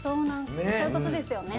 そういうことですよね。